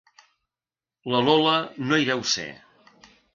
La Lola no hi deu ser.